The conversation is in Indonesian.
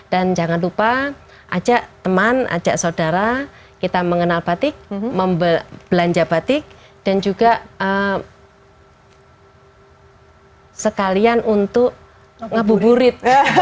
dan jangan lupa ajak teman ajak saudara kita mengenal batik membelanja batik dan juga sekalian untuk ngebuburit